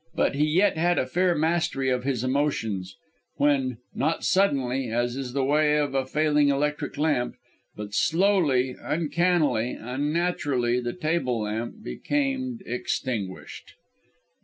But he yet had a fair mastery of his emotions; when not suddenly, as is the way of a failing electric lamp but slowly, uncannily, unnaturally, the table lamp became extinguished!